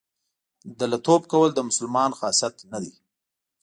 دله توب کول د مسلمان خاصیت نه دی.